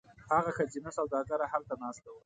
هغه ښځینه سوداګره هلته ناسته وه.